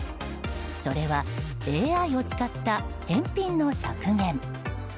それはＡＩを使った返品の削減。